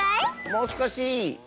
もうすこし？